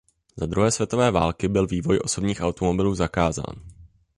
Za druhé světové války byl vývoj osobních automobilů zakázán.